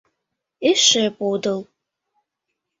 Эше подыл.